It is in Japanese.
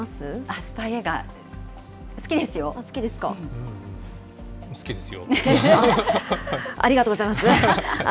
ありがとうございます。